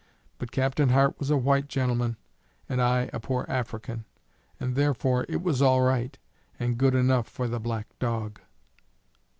But Captain Hart was a white gentleman, and I a poor African, and therefore it was _all right, and good enough for the black dog.